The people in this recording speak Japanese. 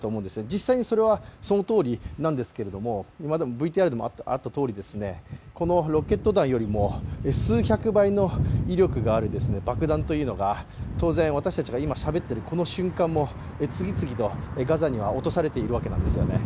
実際にそれはそのとおりなんですが、ＶＴＲでもあったとおり、このロケット弾よりも数百倍の威力がある爆弾というのが当然私たちが今しゃべっているこの瞬間にも、次々とガザに落とされているんですね。